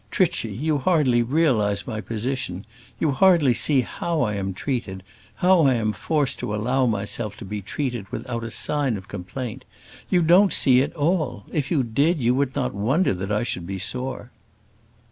Trichy, you hardly realise my position; you hardly see how I am treated; how I am forced to allow myself to be treated without a sign of complaint. You don't see it all. If you did, you would not wonder that I should be sore."